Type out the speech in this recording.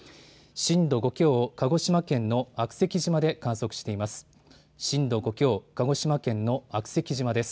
震度５強を鹿児島県の悪石島で観測しています。